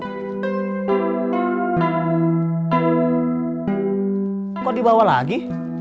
kok dibawa lagi